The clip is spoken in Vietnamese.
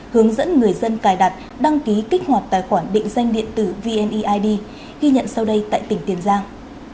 hướng dẫn người dân cài đặt đăng ký kích hoạt tài khoản định danh điện tử vneid ghi nhận sau đây tại tỉnh tiền giang